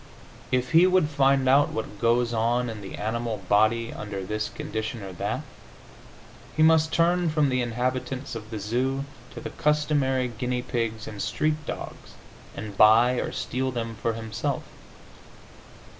If he would find out what goes on in the animal body under this condition or that, he must turn from the inhabitants of the zoo to the customary guinea pigs and street dogs, and buy or steal them for himself.